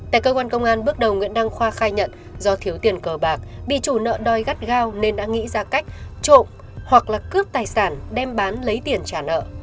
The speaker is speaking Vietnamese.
tại cơ quan công an bước đầu nguyễn đăng khoa khai nhận do thiếu tiền cờ bạc bị chủ nợ đòi gắt gao nên đã nghĩ ra cách trộm hoặc là cướp tài sản đem bán lấy tiền trả nợ